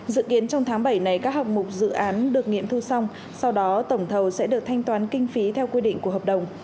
dự kiến trong tháng bảy này các hạng mục dự án được nghiệm thu xong sau đó tổng thầu sẽ được thanh toán kinh phí theo quy định của hợp đồng